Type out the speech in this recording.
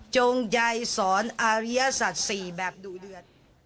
จงใจสอนอาริยสัตว์๔แบบดูเดือด